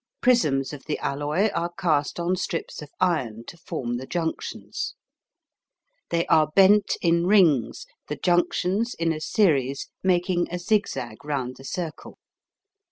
Prisms of the alloy are cast on strips of iron to form the junctions. They are bent in rings, the junctions in a series making a zig zag round the circle.